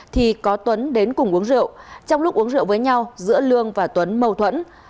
thì có tuấn đến cùng uống rượu trong lúc uống rượu với nhau giữa lương và tuấn mâu thuẫn